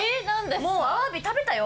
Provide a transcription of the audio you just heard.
もうアワビ食べたよ？